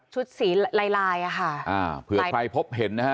ชุดสีลายอ่ะค่ะเผื่อใครพบเห็นนะฮะ